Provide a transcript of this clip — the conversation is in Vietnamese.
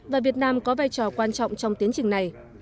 và việt nam có vai trò quan trọng trong tiến trình này